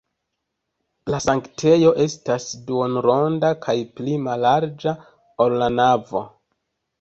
La sanktejo estas duonronda kaj pli mallarĝa, ol la navo.